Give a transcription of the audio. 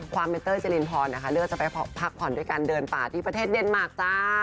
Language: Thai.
ความเป็นเต้ยเจรินพรนะคะเลือกจะไปพักผ่อนด้วยการเดินป่าที่ประเทศเดนมาร์คจ้า